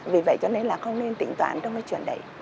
vì vậy cho nên là không nên tỉnh toán trong cái chuyện đấy